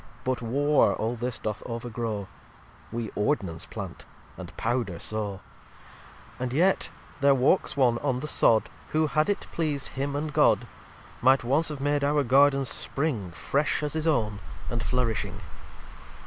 But War all this doth overgrow: We Ord'nance Plant and Powder sow. xliv And yet their walks one on the Sod Who, had it pleased him and God, Might once have made our Gardens spring Fresh as his own and flourishing.